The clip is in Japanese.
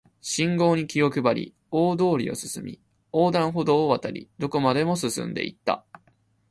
信号に気を配り、大通りを進み、横断歩道を渡り、どこまでも進んで行った